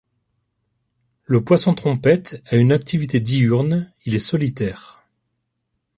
Le poisson-trompette a une activité diurne, il est solitaire.